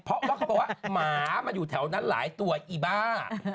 เพราะว่าเขาบอกว่าหมามันอยู่แถวนั้นหลายตัวอีบ้า